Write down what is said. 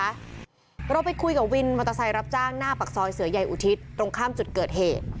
เราไปคุยกับวินมอเตอร์ไซค์รับจ้างหน้าปากซอยเสือใหญ่อุทิศตรงข้ามจุดเกิดเหตุ